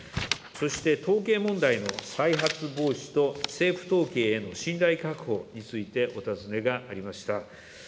そして統計問題の再発防止と政府統計への信頼確保についてお尋ねがありました。